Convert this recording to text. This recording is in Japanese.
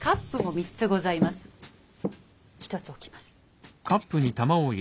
１つ置きます。